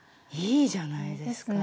いいじゃないですか。